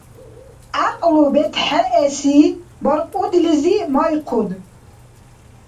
ГӀякьлу: бетхӀеэси баркьудилизи майхъуд.